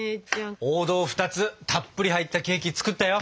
王道２つたっぷり入ったケーキ作ったよ。